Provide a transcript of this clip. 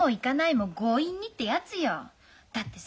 だってさ